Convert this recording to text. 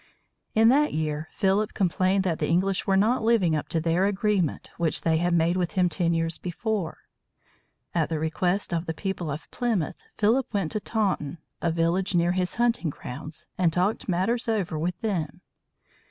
In that year Philip complained that the English were not living up to their agreement which they had made with him ten years before. At the request of the people of Plymouth, Philip went to Taunton, a village near his hunting grounds, and talked matters over with them.